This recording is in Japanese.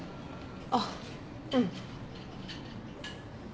あっうん。